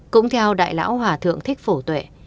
cũng theo đại lão hòa thượng thích phổ tuệ